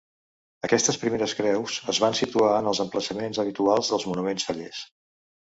Aquestes primeres creus es van situar en els emplaçaments habituals dels monuments fallers.